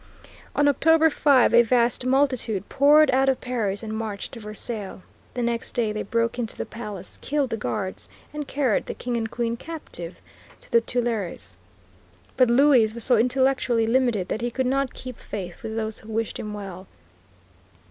On October 5, a vast multitude poured out of Paris, and marched to Versailles. The next day they broke into the palace, killed the guards, and carried the King and Queen captive to the Tuileries. But Louis was so intellectually limited that he could not keep faith with those who wished him well.